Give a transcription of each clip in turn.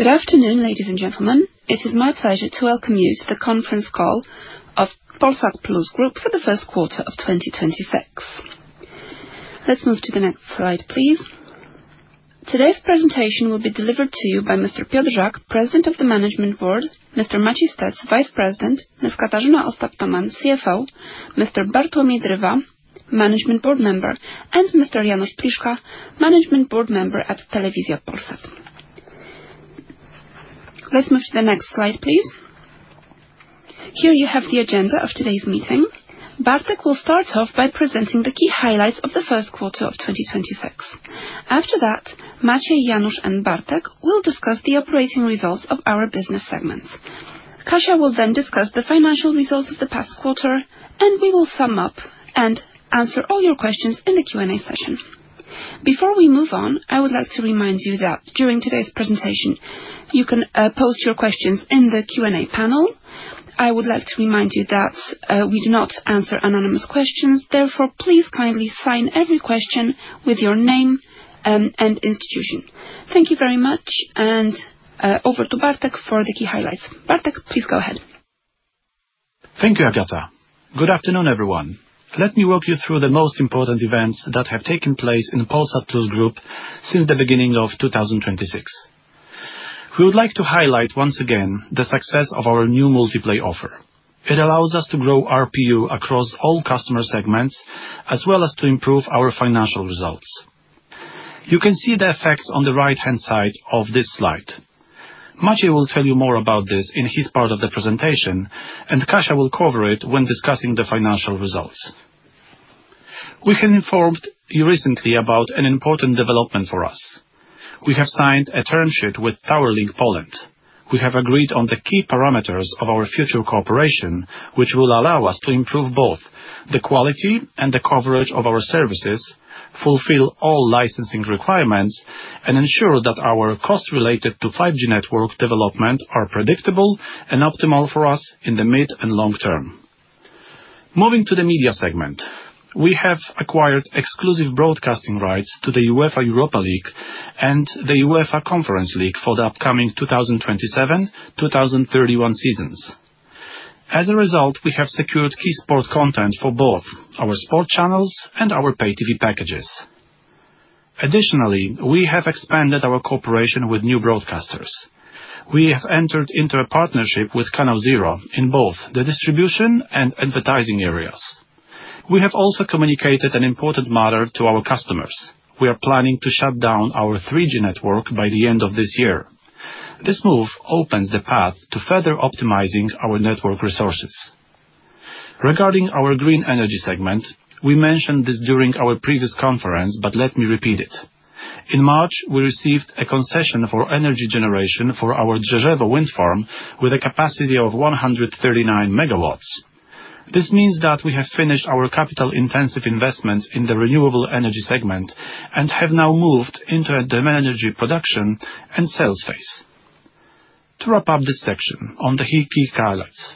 Good afternoon, ladies and gentlemen. It is my pleasure to welcome you to the conference call of Polsat Plus Group for the first quarter of 2026. Let's move to the next slide, please. Today's presentation will be delivered to you by Mr. Piotr Żak, President of the Management Board; Mr. Maciej Stec, Vice President; Ms. Katarzyna Ostap-Tomann, CFO; Mr. Bartłomiej Drywa, Management Board Member; and Mr. Janusz Pliszka, Management Board Member at Telewizja Polsat. Let's move to the next slide, please. Here you have the agenda of today's meeting. Bartek will start off by presenting the key highlights of the first quarter of 2026. After that, Maciej, Janusz, and Bartek will discuss the operating results of our business segments. Kasia will then discuss the financial results of the past quarter. We will sum up and answer all your questions in the Q&A session. Before we move on, I would like to remind you that during today's presentation, you can post your questions in the Q&A panel. I would like to remind you that we do not answer anonymous questions. Therefore, please kindly sign every question with your name and institution. Thank you very much. Over to Bartek for the key highlights. Bartek, please go ahead. Thank you, Agata. Good afternoon, everyone. Let me walk you through the most important events that have taken place in Polsat Plus Group since the beginning of 2026. We would like to highlight once again the success of our new multi-play offer. It allows us to grow ARPU across all customer segments, as well as to improve our financial results. You can see the effects on the right-hand side of this slide. Maciej will tell you more about this in his part of the presentation, and Kasia will cover it when discussing the financial results. We have informed you recently about an important development for us. We have signed a term sheet with Towerlink Poland. We have agreed on the key parameters of our future cooperation, which will allow us to improve both the quality and the coverage of our services, fulfill all licensing requirements, and ensure that our costs related to 5G network development are predictable and optimal for us in the mid and long term. Moving to the media segment. We have acquired exclusive broadcasting rights to the UEFA Europa League and the UEFA Conference League for the upcoming 2027-2031 seasons. As a result, we have secured key sport content for both our sport channels and our pay TV packages. Additionally, we have expanded our cooperation with new broadcasters. We have entered into a partnership with kanał Zero in both the distribution and advertising areas. We have also communicated an important matter to our customers. We are planning to shut down our 3G network by the end of this year. This move opens the path to further optimizing our network resources. Regarding our green energy segment, we mentioned this during our previous conference, but let me repeat it. In March, we received a concession for energy generation for our Drzeżewo Wind Farm with a capacity of 139 megawatts. This means that we have finished our capital-intensive investments in the renewable energy segment and have now moved into a demand energy production and sales phase. To wrap up this section on the key highlights,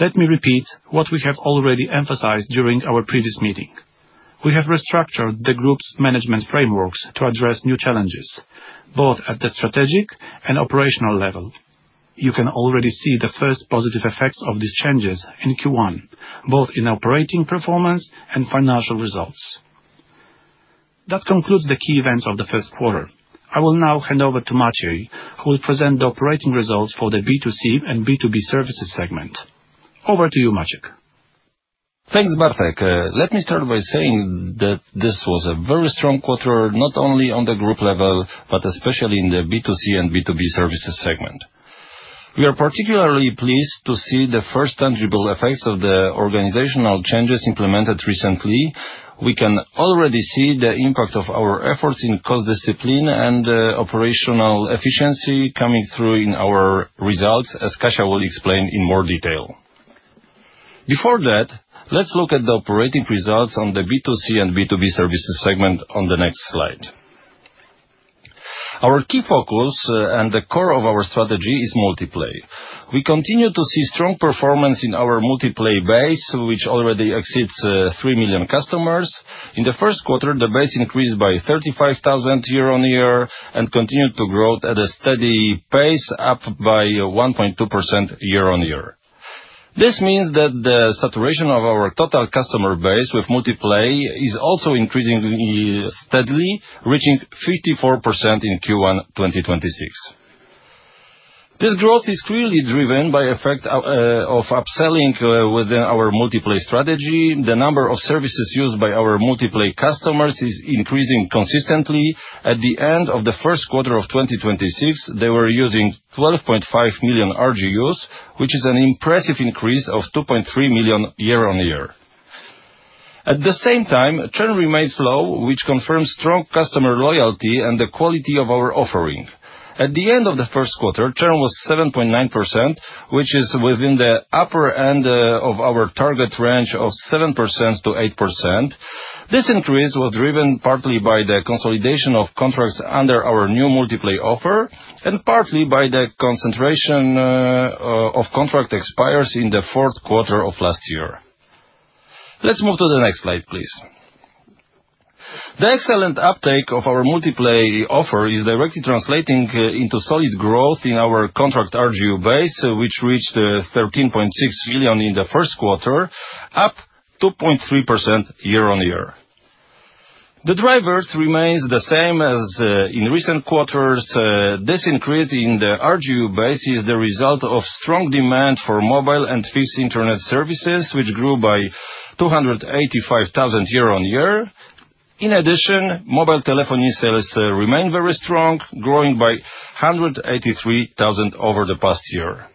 let me repeat what we have already emphasized during our previous meeting. We have restructured the group's management frameworks to address new challenges, both at the strategic and operational level. You can already see the first positive effects of these changes in Q1, both in operating performance and financial results. That concludes the key events of the first quarter. I will now hand over to Maciej, who will present the operating results for the B2C and B2B services segment. Over to you, Maciej. Thanks, Bartek. Let me start by saying that this was a very strong quarter, not only on the group level, but especially in the B2C and B2B services segment. We are particularly pleased to see the first tangible effects of the organizational changes implemented recently. We can already see the impact of our efforts in cost discipline and operational efficiency coming through in our results, as Kasia will explain in more detail. Before that, let's look at the operating results on the B2C and B2B services segment on the next slide. Our key focus and the core of our strategy is multi-play. We continue to see strong performance in our multi-play base, which already exceeds three million customers. In the first quarter, the base increased by 35,000 year-on-year and continued to grow at a steady pace, up by 1.2% year-on-year. This means that the saturation of our total customer base with multi-play is also increasing steadily, reaching 54% in Q1 2026. This growth is clearly driven by effect of upselling within our multi-play strategy. The number of services used by our multi-play customers is increasing consistently. At the end of the first quarter of 2026, they were using 12.5 million RGUs, which is an impressive increase of 2.3 million year-on-year. At the same time, churn remains low, which confirms strong customer loyalty and the quality of our offering. At the end of the first quarter, churn was 7.9%, which is within the upper end of our target range of 7%-8%. This increase was driven partly by the consolidation of contracts under our new multi-play offer and partly by the concentration of contract expires in the fourth quarter of last year. Let's move to the next slide, please. The excellent uptake of our multi-play offer is directly translating into solid growth in our contract RGU base, which reached 13.6 million in the first quarter, up 2.3% year-on-year. The drivers remains the same as in recent quarters. This increase in the RGU base is the result of strong demand for mobile and fixed internet services, which grew by 285,000 year-on-year. In addition, mobile telephony sales remain very strong, growing by 183,000 over the past year.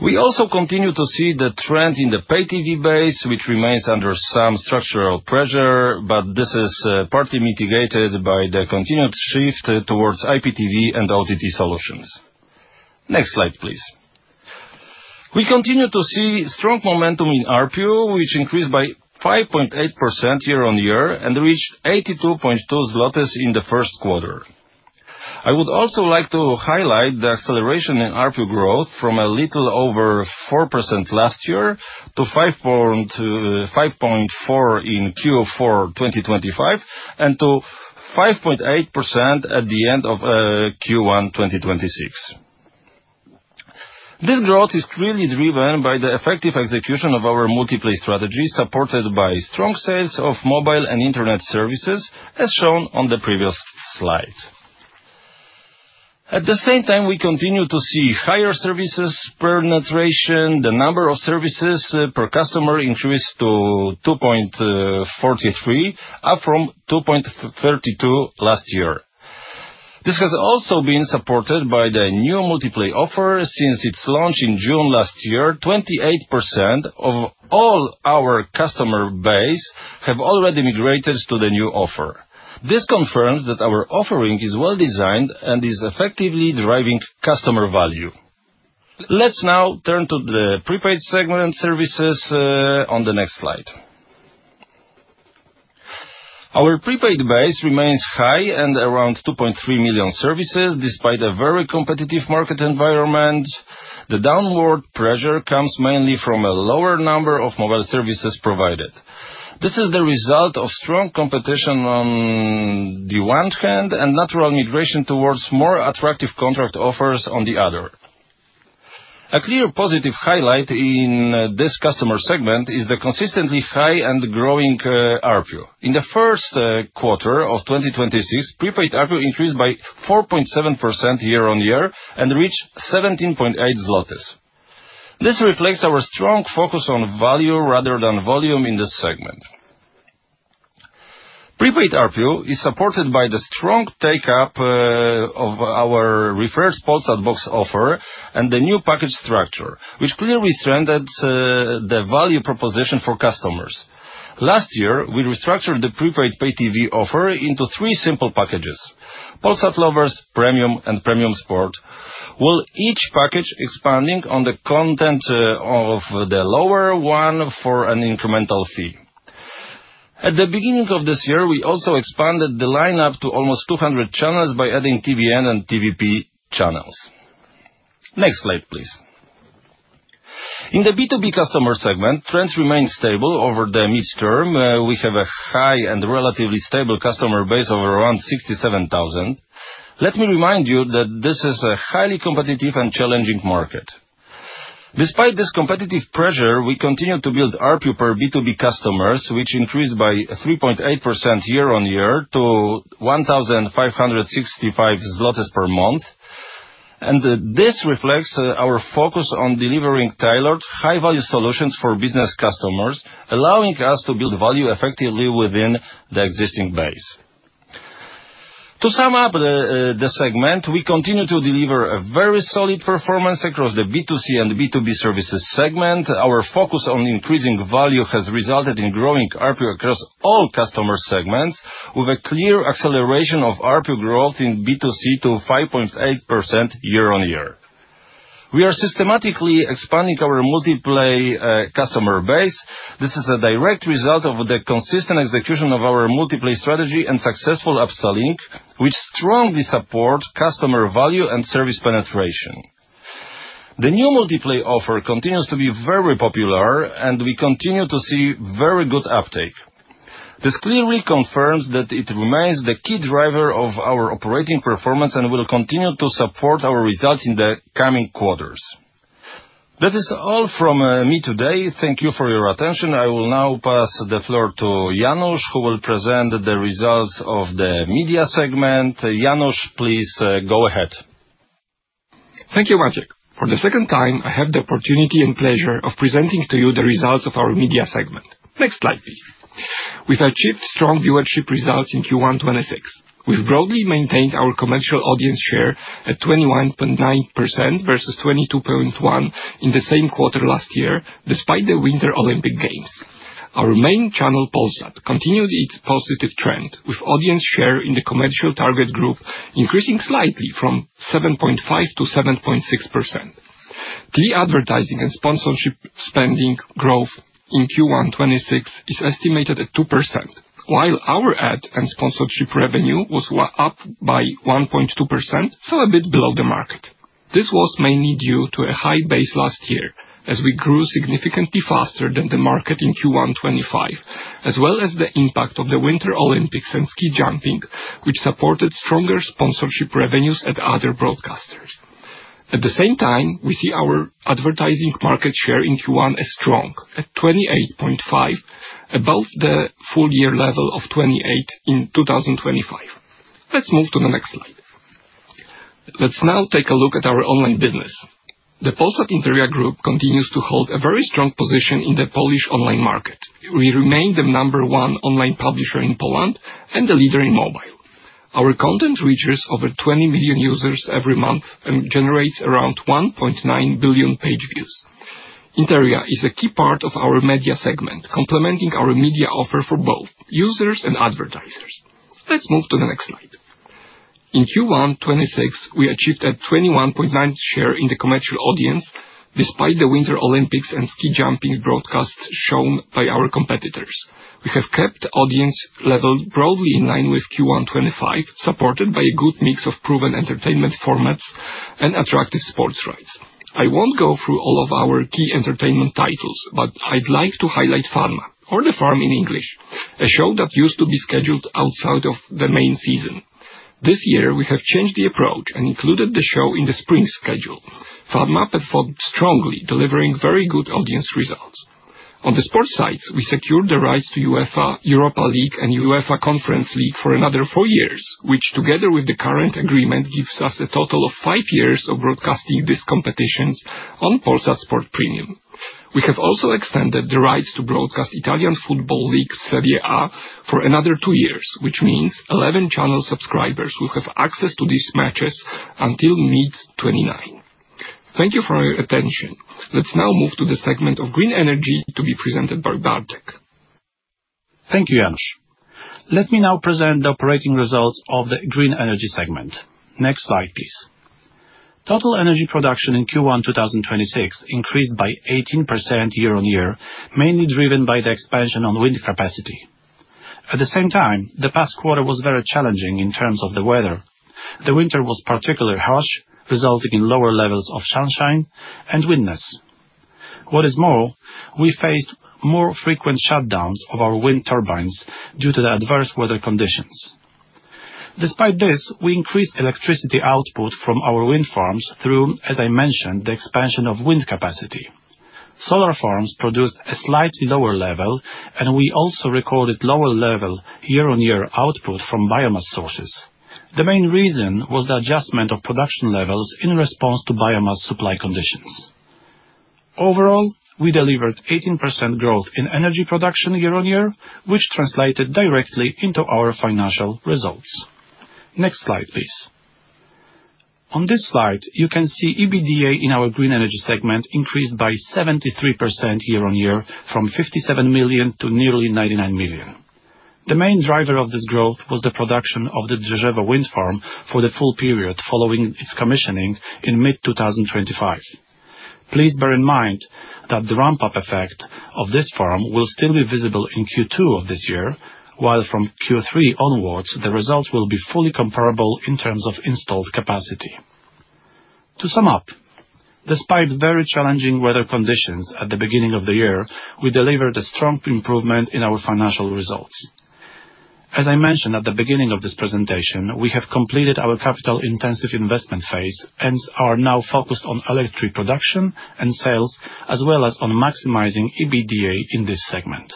We also continue to see the trend in the pay TV base, which remains under some structural pressure, but this is partly mitigated by the continued shift towards IPTV and OTT solutions. Next slide, please. We continue to see strong momentum in ARPU, which increased by 5.8% year-on-year and reached 82.2 in the first quarter. I would also like to highlight the acceleration in ARPU growth from a little over 4% last year to 5.4% in Q4 2025, and to 5.8% at the end of Q1 2026. This growth is clearly driven by the effective execution of our multi-play strategy, supported by strong sales of mobile and internet services, as shown on the previous slide. At the same time, we continue to see higher services per penetration. The number of services per customer increased to 2.43 up from 2.32 last year. This has also been supported by the new multi-play offer. Since its launch in June last year, 28% of all our customer base have already migrated to the new offer. This confirms that our offering is well designed and is effectively deriving customer value. Let's now turn to the prepaid segment services on the next slide. Our prepaid base remains high and around 2.3 million services, despite a very competitive market environment. The downward pressure comes mainly from a lower number of mobile services provided. This is the result of strong competition on the one hand, and natural migration towards more attractive contract offers on the other. A clear positive highlight in this customer segment is the consistently high and growing ARPU. In the first quarter of 2026, prepaid ARPU increased by 4.7% year-on-year and reached 17.8 zlotys. This reflects our strong focus on value rather than volume in this segment. Prepaid ARPU is supported by the strong take-up of our refreshed Polsat Box offer and the new package structure, which clearly strengthened the value proposition for customers. Last year, we restructured the prepaid pay TV offer into three simple packages, Polsat Lovers, Premium, and Premium Sport, with each package expanding on the content of the lower one for an incremental fee. At the beginning of this year, we also expanded the lineup to almost 200 channels by adding TVN and TVP channels. Next slide, please. In the B2B customer segment, trends remain stable over the midterm. We have a high and relatively stable customer base of around 67,000. Let me remind you that this is a highly competitive and challenging market. Despite this competitive pressure, we continue to build ARPU per B2B customers, which increased by 3.8% year-on-year to 1,565 per month. This reflects our focus on delivering tailored high value solutions for business customers, allowing us to build value effectively within the existing base. To sum up the segment, we continue to deliver a very solid performance across the B2C and B2B services segment. Our focus on increasing value has resulted in growing ARPU across all customer segments with a clear acceleration of ARPU growth in B2C to 5.8% year-on-year. We are systematically expanding our multi-play customer base. This is a direct result of the consistent execution of our multi-play strategy and successful upselling, which strongly support customer value and service penetration. The new multi-play offer continues to be very popular, and we continue to see very good uptake. This clearly confirms that it remains the key driver of our operating performance and will continue to support our results in the coming quarters. That is all from me today. Thank you for your attention. I will now pass the floor to Janusz, who will present the results of the media segment. Janusz, please go ahead. Thank you, Maciek. For the second time, I have the opportunity and pleasure of presenting to you the results of our media segment. Next slide, please. We've achieved strong viewership results in Q1 2026. We've broadly maintained our commercial audience share at 21.9% versus 22.1% in the same quarter last year, despite the Winter Olympics. Our main channel, Polsat, continued its positive trend, with audience share in the commercial target group increasing slightly from 7.5% to 7.6%. The advertising and sponsorship spending growth in Q1 2026 is estimated at 2%, while our ad and sponsorship revenue was up by 1.2%, so a bit below the market. This was mainly due to a high base last year as we grew significantly faster than the market in Q1 2025, as well as the impact of the Winter Olympics and ski jumping, which supported stronger sponsorship revenues at other broadcasters. We see our advertising market share in Q1 as strong, at 28.5%, above the full year level of 28% in 2025. Let's move to the next slide. Let's now take a look at our online business. The Grupa Polsat-Interia continues to hold a very strong position in the Polish online market. We remain the number 1 online publisher in Poland and the leader in mobile. Our content reaches over 20 million users every month and generates around 1.9 billion page views. Interia is a key part of our media segment, complementing our media offer for both users and advertisers. Let's move to the next slide. In Q1 2026, we achieved a 21.9% share in the commercial audience, despite the Winter Olympics and ski jumping broadcasts shown by our competitors. We have kept audience level broadly in line with Q1 2025, supported by a good mix of proven entertainment formats and attractive sports rights. I won't go through all of our key entertainment titles, but I'd like to highlight "Farma," or "The Farm" in English, a show that used to be scheduled outside of the main season. This year we have changed the approach and included the show in the spring schedule. "Farma" performed strongly, delivering very good audience results. On the sports side, we secured the rights to UEFA Europa League and UEFA Conference League for another 4 years, which together with the current agreement, gives us a total of 5 years of broadcasting these competitions on Polsat Sport Premium. We have also extended the rights to broadcast Italian Football League Serie A for another 2 years, which means 11 channel subscribers will have access to these matches until mid 2029. Thank you for your attention. Let's now move to the segment of green energy to be presented by Bartek. Thank you, Janusz. Let me now present the operating results of the green energy segment. Next slide, please. Total energy production in Q1 2026 increased by 18% year-on-year, mainly driven by the expansion on wind capacity. At the same time, the past quarter was very challenging in terms of the weather. The winter was particularly harsh, resulting in lower levels of sunshine and windless. What is more, we faced more frequent shutdowns of our wind turbines due to the adverse weather conditions. Despite this, we increased electricity output from our wind farms through, as I mentioned, the expansion of wind capacity. Solar farms produced a slightly lower level, and we also recorded lower level year-on-year output from biomass sources. The main reason was the adjustment of production levels in response to biomass supply conditions. Overall, we delivered 18% growth in energy production year-on-year, which translated directly into our financial results. Next slide, please. On this slide, you can see EBITDA in our green energy segment increased by 73% year-on-year from 57 million to nearly 99 million. The main driver of this growth was the production of the Drzeżewo Wind Farm for the full period following its commissioning in mid 2025. Please bear in mind that the ramp-up effect of this farm will still be visible in Q2 of this year. While from Q3 onwards, the results will be fully comparable in terms of installed capacity. To sum up, despite very challenging weather conditions at the beginning of the year, we delivered a strong improvement in our financial results. As I mentioned at the beginning of this presentation, we have completed our capital-intensive investment phase and are now focused on electric production and sales, as well as on maximizing EBITDA in this segment.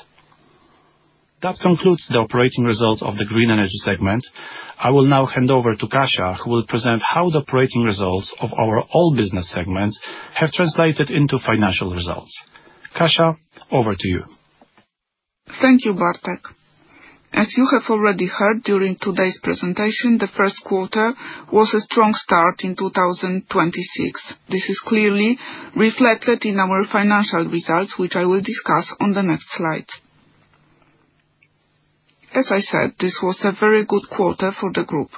That concludes the operating results of the green energy segment. I will now hand over to Kasia, who will present how the operating results of our all business segments have translated into financial results. Kasia, over to you. Thank you, Bartek. As you have already heard during today's presentation, the first quarter was a strong start in 2026. This is clearly reflected in our financial results, which I will discuss on the next slide. As I said, this was a very good quarter for the group.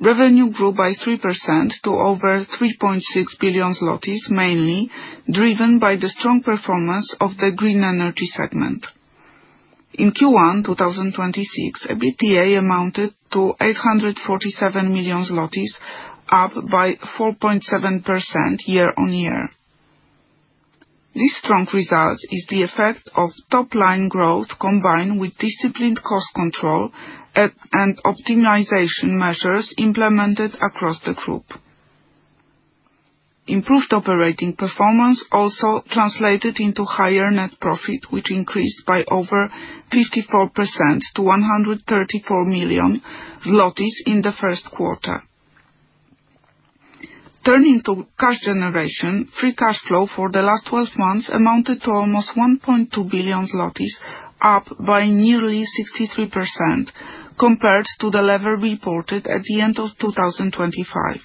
Revenue grew by 3% to over 3.6 billion zlotys, mainly driven by the strong performance of the green energy segment. In Q1 2026, EBITDA amounted to 847 million zlotys, up by 4.7% year-on-year. This strong result is the effect of top-line growth, combined with disciplined cost control and optimization measures implemented across the group. Improved operating performance also translated into higher net profit, which increased by over 54% to 134 million zlotys in the first quarter. Turning to cash generation, free cash flow for the last 12 months amounted to almost 1.2 billion zlotys, up by nearly 63% compared to the level reported at the end of 2025.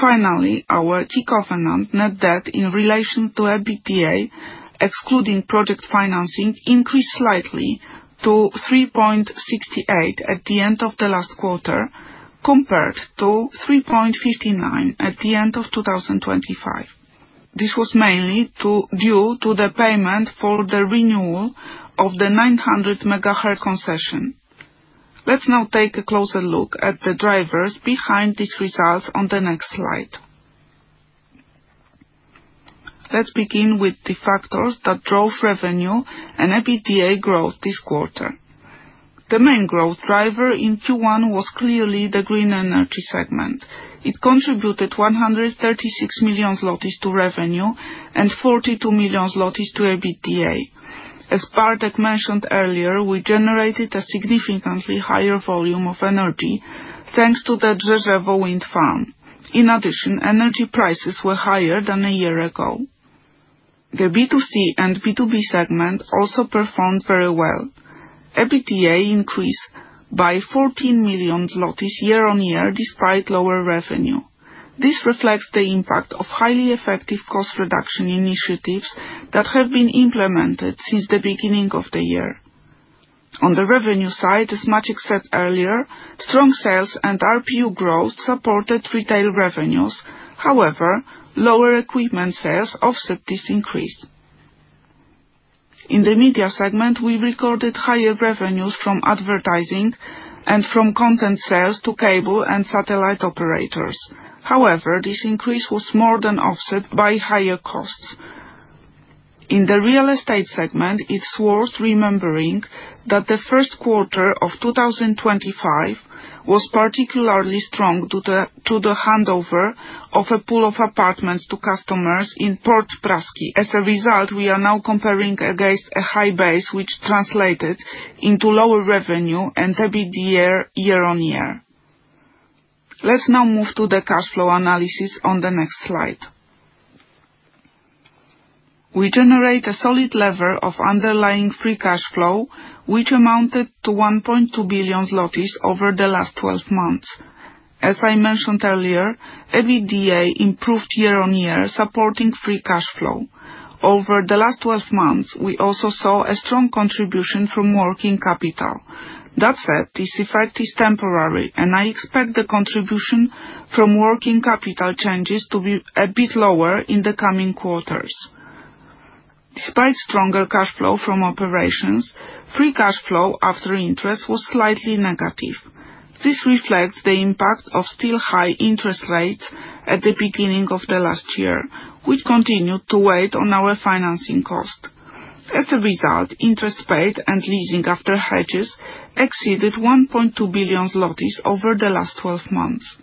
Finally, our key covenant net debt in relation to EBITDA, excluding project financing, increased slightly to 3.68 at the end of the last quarter compared to 3.59 at the end of 2025. This was mainly due to the payment for the renewal of the 900 MHz concession. Let's now take a closer look at the drivers behind these results on the next slide. Let's begin with the factors that drove revenue and EBITDA growth this quarter. The main growth driver in Q1 was clearly the green energy segment. It contributed 136 million zlotys to revenue and 42 million zlotys to EBITDA. As Bartek mentioned earlier, we generated a significantly higher volume of energy, thanks to the Drzeżewo Wind Farm. In addition, energy prices were higher than a year ago. The B2C and B2B segment also performed very well. EBITDA increased by 14 million zlotys year-on-year, despite lower revenue. This reflects the impact of highly effective cost reduction initiatives that have been implemented since the beginning of the year. On the revenue side, as Maciek said earlier, strong sales and ARPU growth supported retail revenues. However, lower equipment sales offset this increase. In the media segment, we recorded higher revenues from advertising and from content sales to cable and satellite operators. However, this increase was more than offset by higher costs. In the real estate segment, it's worth remembering that the first quarter of 2025 was particularly strong to the handover of a pool of apartments to customers in Port Praski. We are now comparing against a high base, which translated into lower revenue and EBITDA year-on-year. Let's now move to the cash flow analysis on the next slide. We generate a solid level of underlying free cash flow, which amounted to 1.2 billion zlotys over the last 12 months. As I mentioned earlier, EBITDA improved year-on-year, supporting free cash flow. Over the last 12 months, we also saw a strong contribution from working capital. This effect is temporary, and I expect the contribution from working capital changes to be a bit lower in the coming quarters. Despite stronger cash flow from operations, free cash flow after interest was slightly negative. This reflects the impact of still high interest rates at the beginning of the last year, which continued to weigh on our financing cost. Interest paid and leasing after hedges exceeded 1.2 billion zlotys over the last 12 months.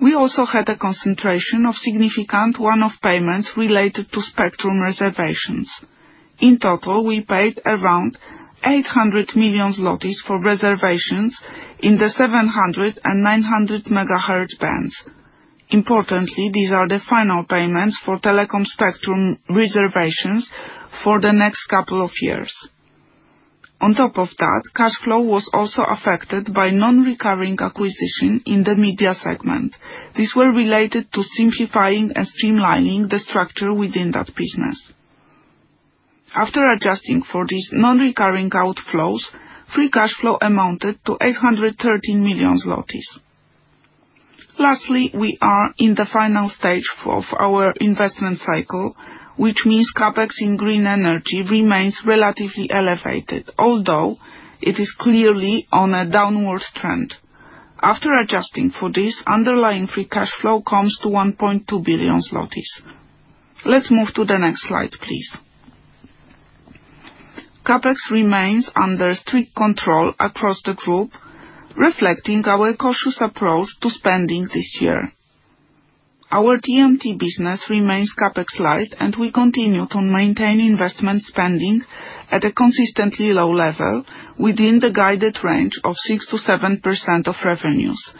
We also had a concentration of significant one-off payments related to spectrum reservations. In total, we paid around 800 million for reservations in the 700 and 900 MHz bands. Importantly, these are the final payments for telecom spectrum reservations for the next couple of years. Cash flow was also affected by non-recurring acquisition in the media segment. These were related to simplifying and streamlining the structure within that business. After adjusting for these non-recurring outflows, free cash flow amounted to 813 million zlotys. We are in the final stage of our investment cycle, which means CapEx in green energy remains relatively elevated, although it is clearly on a downward trend. After adjusting for this, underlying free cash flow comes to 1.2 billion zlotys. Let's move to the next slide, please. CapEx remains under strict control across the group, reflecting our cautious approach to spending this year. Our TMT business remains CapEx light, and we continue to maintain investment spending at a consistently low level within the guided range of 6%-7% of revenues.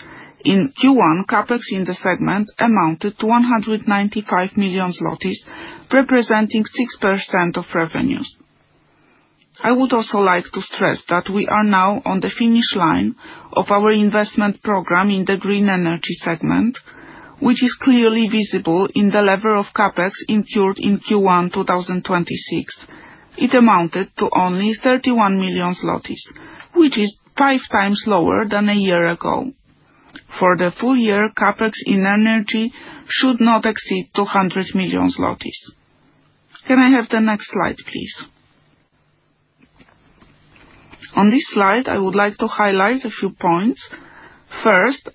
In Q1, CapEx in the segment amounted to 195 million zlotys, representing 6% of revenues. I would also like to stress that we are now on the finish line of our investment program in the green energy segment, which is clearly visible in the level of CapEx incurred in Q1 2026. It amounted to only 31 million zlotys, which is five times lower than a year ago. For the full year, CapEx in energy should not exceed 200 million zlotys. Can I have the next slide, please? I would like to highlight a few points.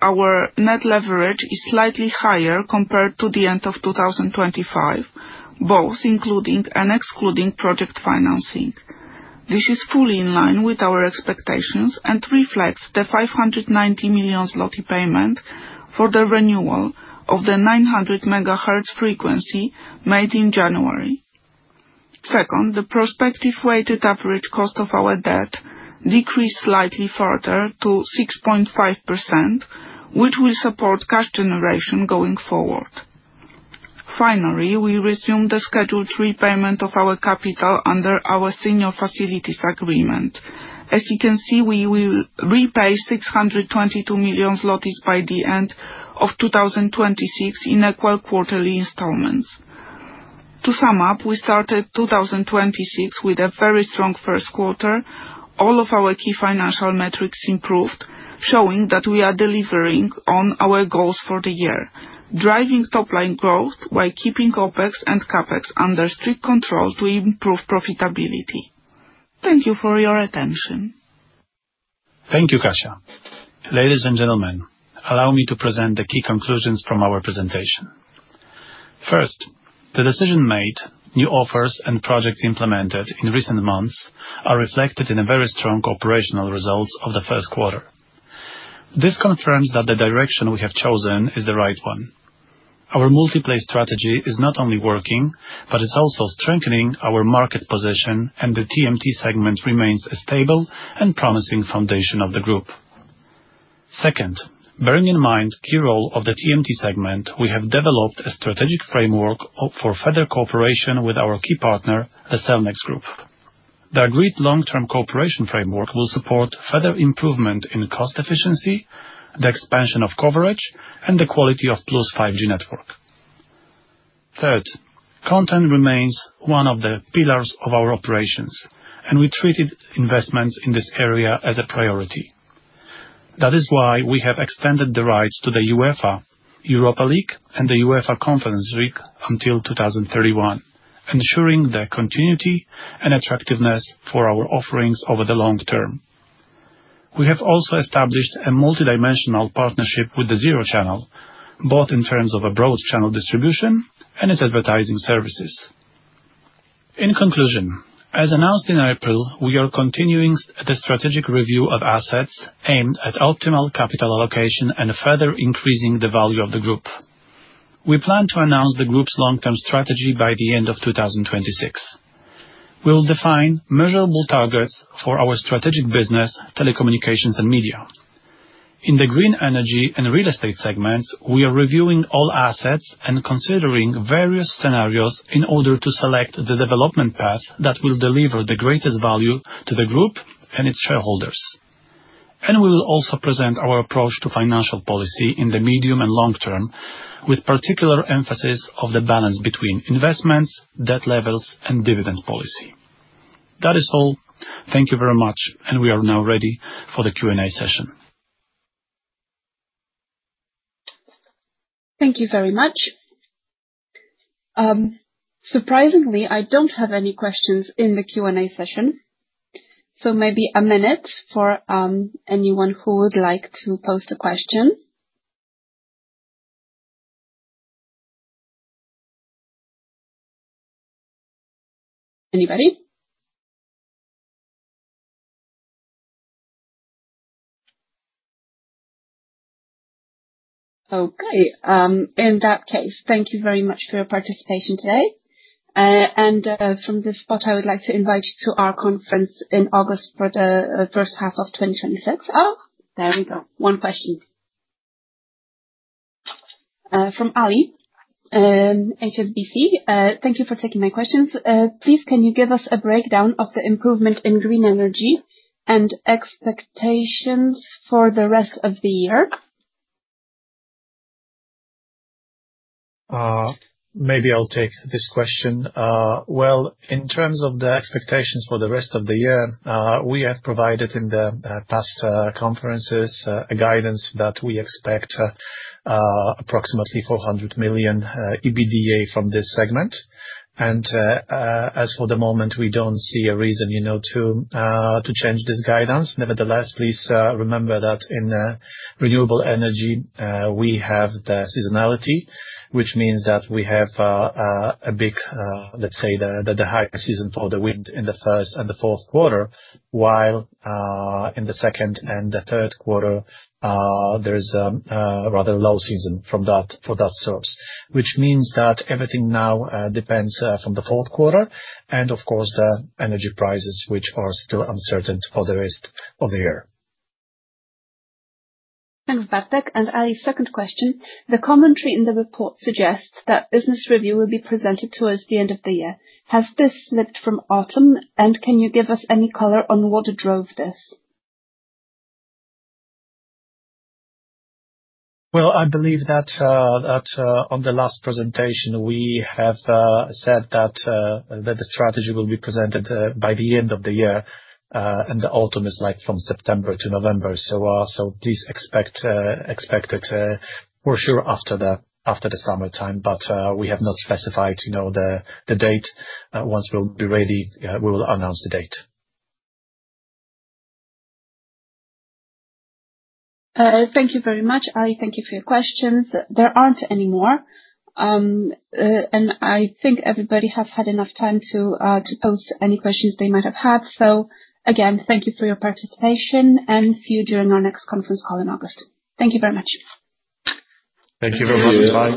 Our net leverage is slightly higher compared to the end of 2025, both including and excluding project financing. This is fully in line with our expectations and reflects the 590 million zloty payment for the renewal of the 900 MHz frequency made in January. The prospective weighted average cost of our debt decreased slightly further to 6.5%, which will support cash generation going forward. We resume the scheduled repayment of our capital under our senior facilities agreement. As you can see, we will repay 622 million zlotys by the end of 2026 in equal quarterly installments. We started 2026 with a very strong first quarter. All of our key financial metrics improved. Showing that we are delivering on our goals for the year, driving top-line growth while keeping OpEx and CapEx under strict control to improve profitability. Thank you for your attention. Thank you, Kasia. Ladies and gentlemen, allow me to present the key conclusions from our presentation. First, the decision made, new offers and projects implemented in recent months are reflected in a very strong operational results of the first quarter. This confirms that the direction we have chosen is the right one. Our multi-play strategy is not only working, but it's also strengthening our market position. The TMT segment remains a stable and promising foundation of the group. Second, bearing in mind key role of the TMT segment, we have developed a strategic framework for further cooperation with our key partner, the Cellnex group. The agreed long-term cooperation framework will support further improvement in cost efficiency, the expansion of coverage, and the quality of Plus 5G network. Third, content remains one of the pillars of our operations. We treated investments in this area as a priority. That is why we have extended the rights to the UEFA Europa League and the UEFA Conference League until 2031, ensuring the continuity and attractiveness for our offerings over the long term. We have also established a multidimensional partnership with the kanał Zero, both in terms of a broad channel distribution and its advertising services. In conclusion, as announced in April, we are continuing the strategic review of assets aimed at optimal capital allocation and further increasing the value of the group. We plan to announce the group's long-term strategy by the end of 2026. We will define measurable targets for our strategic business, telecommunications, and media. In the green energy and real estate segments, we are reviewing all assets and considering various scenarios in order to select the development path that will deliver the greatest value to the group and its shareholders. We will also present our approach to financial policy in the medium and long term, with particular emphasis on the balance between investments, debt levels, and dividend policy. That is all. Thank you very much. We are now ready for the Q&A session. Thank you very much. Surprisingly, I don't have any questions in the Q&A session, so maybe a minute for anyone who would like to pose a question. Anybody? Okay. In that case, thank you very much for your participation today. From this spot, I would like to invite you to our conference in August for the first half of 2026. There we go. One question. From Ali, HSBC. Thank you for taking my questions. Please, can you give us a breakdown of the improvement in green energy and expectations for the rest of the year? Maybe I'll take this question. In terms of the expectations for the rest of the year, we have provided in the past conferences a guidance that we expect approximately 400 million EBITDA from this segment. As for the moment, we don't see a reason to change this guidance. Nevertheless, please remember that in renewable energy, we have the seasonality, which means that we have a big, let's say, the higher season for the wind in the first and the fourth quarter, while in the second and the third quarter, there is a rather low season for that service. Everything now depends from the fourth quarter, and of course, the energy prices, which are still uncertain for the rest of the year. Thanks, Bartek. Ali, second question. The commentary in the report suggests that business review will be presented towards the end of the year. Has this slipped from autumn, and can you give us any color on what drove this? I believe that on the last presentation, we have said that the strategy will be presented by the end of the year, the autumn is from September to November. Please expect it for sure after the summer time. We have not specified the date. Once we'll be ready, we will announce the date. Thank you very much, Ali. Thank you for your questions. There aren't any more. I think everybody has had enough time to post any questions they might have had. Again, thank you for your participation, and see you during our next conference call in August. Thank you very much. Thank you very much. Bye